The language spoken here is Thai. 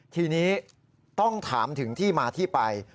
ทีนี้ต้องถามถึงที่มาที่ไป